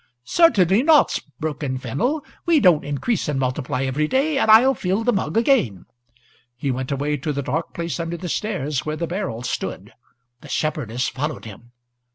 "Certainly not," broke in Fennel. "We don't increase and multiply every day, and I'll fill the mug again." He went away to the dark place under the stairs where the barrel stood. The shepherdess followed him.